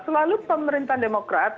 selalu pemerintahan demokrat